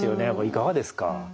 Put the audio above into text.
いかがですか？